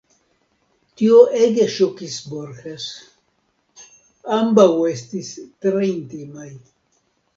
Tio ege ŝokis Borges: ambaŭ estis tre intimaj.